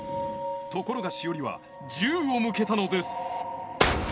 ところが詩織は銃を向けたのです